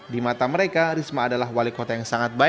di mata mereka risma adalah wali kota yang sangat baik